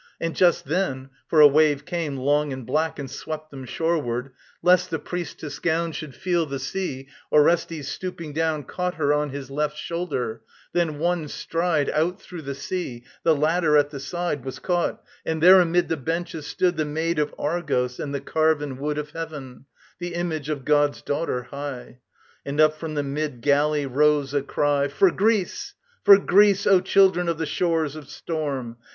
And just then for a wave came, long and black, And swept them shoreward lest the priestess' gown Should feel the sea, Orestes stooping down Caught her on his left shoulder: then one stride Out through the sea, the ladder at the side Was caught, and there amid the benches stood The maid of Argos and the carven wood Of heaven, the image of God's daughter high. And up from the mid galley rose a cry: "For Greece! For Greece, O children of the shores Of storm!